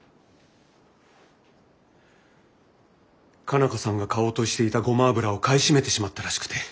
佳奈花さんが買おうとしていたゴマ油を買い占めてしまったらしくて。